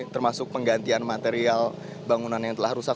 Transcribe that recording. termasuk penggantian material bangunan yang telah rusak